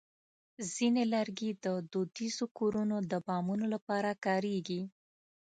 ځینې لرګي د دودیزو کورونو د بامونو لپاره کارېږي.